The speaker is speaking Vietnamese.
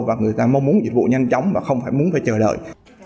và người ta mong muốn dịch vụ nhanh chóng và không phải muốn phải chờ đợi